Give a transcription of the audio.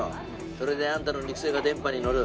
それであんたの肉声が電波にのる。